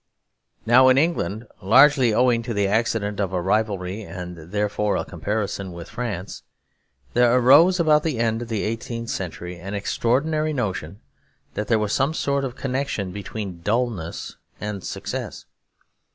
Now in England, largely owing to the accident of a rivalry and therefore a comparison with France, there arose about the end of the eighteenth century an extraordinary notion that there was some sort of connection between dullness and success.